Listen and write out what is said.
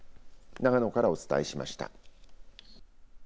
長野からお伝えしました。